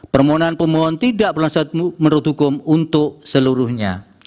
permohonan pemohon tidak berlanjut menurut hukum untuk seluruhnya